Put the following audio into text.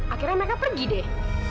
akhirnya mereka pergi deh